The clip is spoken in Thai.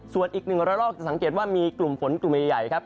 ส่วนอีกหนึ่งระลอกจะสังเกตว่ามีกลุ่มฝนกลุ่มใหญ่ครับ